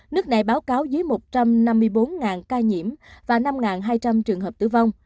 nước này báo cáo dưới một trăm năm mươi bốn ca nhiễm và năm hai trăm linh trường hợp tử vong